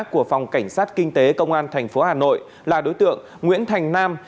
của phòng cảnh sát kinh tế công an tp hà nội là đối tượng nguyễn thành nam